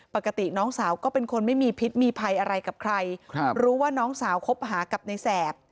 ปกติน้องสาวก็เป็นคนไม่มีพิษมีภัยอะไรกับใครครับรู้ว่าน้องสาวคบหากับในแสบ